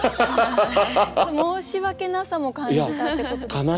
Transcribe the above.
申し訳なさも感じたってことですかね？